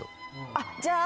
あっじゃあ。